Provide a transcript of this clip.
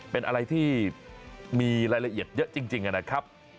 เป็นอะไรที่มีรายละเอียดเยอะจริงนะครับ